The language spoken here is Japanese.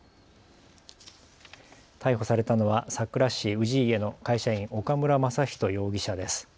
逮捕されたのはさくら市氏家の会社員、岡村真仁容疑者です。